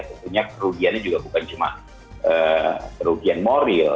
tentunya kerugiannya juga bukan cuma kerugian moral